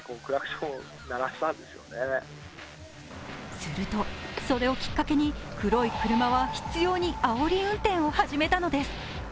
すると、それをきっかけに黒い車が執ようにあおり運転を始めたのです。